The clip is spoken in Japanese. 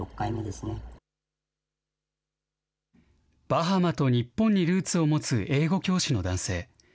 バハマと日本にルーツを持つ英語教師の男性。